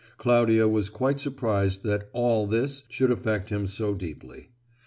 Claudia was quite surprised that "all this" should affect him so deeply.